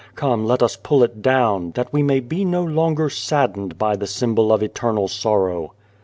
Come let us pull it down, that we may be no longer saddened by the symbol of eternal sorrow."